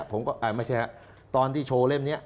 ผมก็ไม่ใช่ตอนที่โชว์เล่มนี้